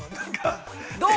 どう？